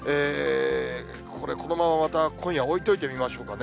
これ、このまままた今夜、置いといてみましょうかね。